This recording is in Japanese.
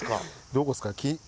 どこですか？